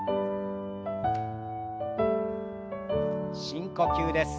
深呼吸です。